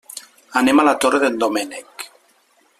Anem a la Torre d'en Doménec.